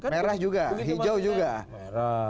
merah juga hijau juga